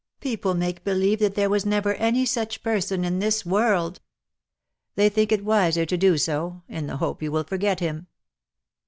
People make believe that there was never any such person in this world.^^ '' They think, it wiser to do so, in the hope you will forget him.